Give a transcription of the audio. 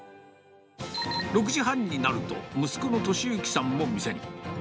６時半になると、息子の敏行さんも店に。